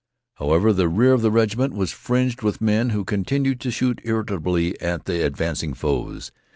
However, the rear of the regiment was fringed with men, who continued to shoot irritably at the advancing foes.